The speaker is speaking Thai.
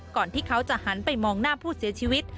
ที่เขาจะหันไปมองหน้าผู้เสียชีวิต